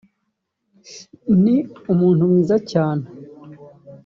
ni umuntu mwiza cyane